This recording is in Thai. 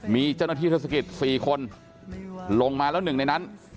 มีเจ้าหน้าที่เทศกิจ๔คนลงมาแล้วหนึ่งในนั้น